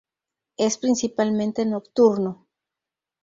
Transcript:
Es principalmente nocturno.